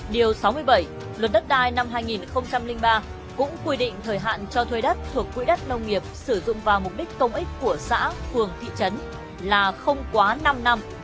điều sáu mươi bảy luật đất đai năm hai nghìn ba cũng quy định thời hạn cho thuê đất thuộc quỹ đất nông nghiệp sử dụng vào mục đích công ích của xã phường thị trấn là không quá năm năm